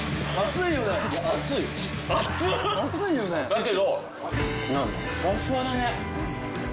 だけど。